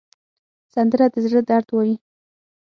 سندره د زړه درد وایي